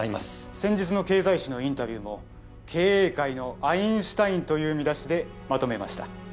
先日の経済誌のインタビューも経営界のアインシュタインという見出しでまとめました